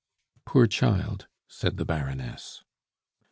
"Poor child!" said the Baroness.